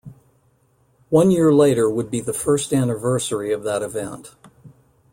One year later would be the first anniversary of that event.